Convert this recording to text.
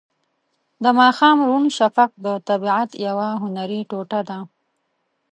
د ماښام روڼ شفق د طبیعت یوه هنري ټوټه ده.